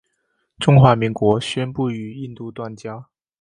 中华民国宣布与印度断交。